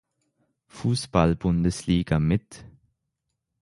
Fußball-Bundesliga mit.